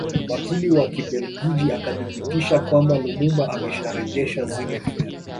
Wakili wa Kibelgiji akathibitisha kwamba Lumumba amesharejesha zile fedha